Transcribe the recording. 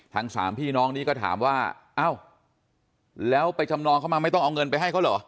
สามพี่น้องนี้ก็ถามว่าเอ้าแล้วไปจำนองเข้ามาไม่ต้องเอาเงินไปให้เขาเหรอ